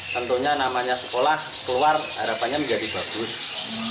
tentunya namanya sekolah keluar harapannya menjadi bagus